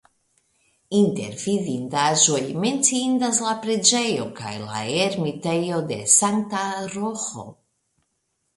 Inter vidindaĵoj menciindas la preĝejo kaj la ermitejo de Sankta Roĥo.